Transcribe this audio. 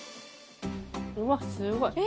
うわ、すごい！